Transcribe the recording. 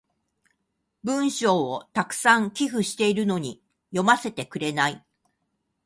文章を沢山寄付してるのに読ませてくれない。